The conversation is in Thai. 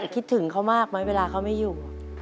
คิดถึงเขามากไหมเวลาเขาไม่อยู่